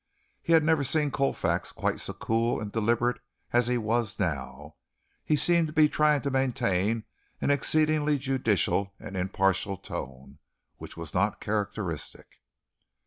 He had never seen Colfax quite so cool and deliberate as he was now. He seemed to be trying to maintain an exceedingly judicial and impartial tone, which was not characteristic.